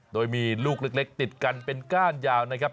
โดยมีลูกเล็กติดกันเป็นก้านยาวนะครับ